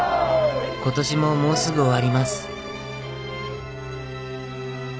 「今年ももうすぐ終わります」